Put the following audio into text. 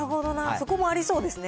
そこもありそうですね。